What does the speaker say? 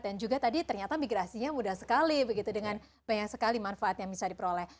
dan juga tadi ternyata migrasinya mudah sekali begitu dengan banyak sekali manfaat yang bisa diperoleh